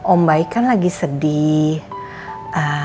om baik kan lagi sedih